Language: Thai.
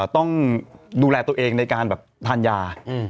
ต้องดูแลตัวเองในการแบบทานยา